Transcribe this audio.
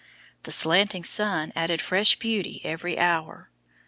The slanting sun added fresh beauty every hour.